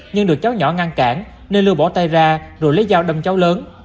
nhưng được cháu nhỏ ngăn cản nên lưu bỏ tay ra rồi lấy dao đâm cháu lớn